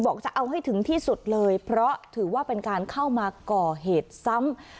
บอกจะเอาให้ถึงที่สุดเลยเพราะถือว่าเป็นการเข้ามาก่อเหตุซ้ำ